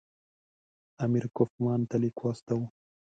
امیر کوفمان ته لیک واستاوه.